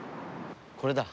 これだ。